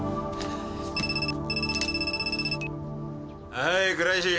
はい倉石。